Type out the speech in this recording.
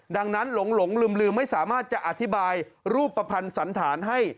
ดังนั้นหลงลืมไม่สามารถจะอธิบายรูปประพันธ์สันฐานให้